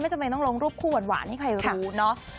จำเป็นต้องลงรูปคู่หวานให้ใครรู้เนาะ